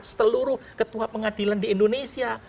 seluruh ketua pengadilan di indonesia